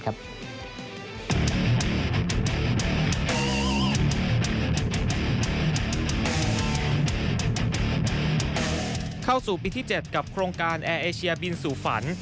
เข้าสู่ปีที่๗กับโครงการ